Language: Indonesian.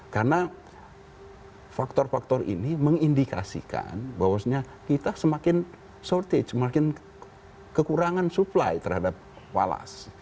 karena faktor faktor ini mengindikasikan bahwasanya kita semakin shortage semakin kekurangan supply terhadap walas